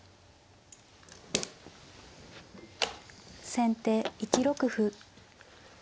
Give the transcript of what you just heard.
先手１六歩。